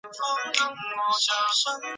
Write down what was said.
夷隅市是千叶县房总半岛东南部的一市。